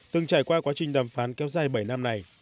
từng trải qua quá trình đàm phán kéo dài bảy năm này